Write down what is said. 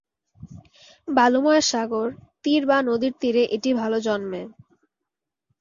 বালুময় সাগর তীর বা নদীর তীরে এটি ভাল জন্মে।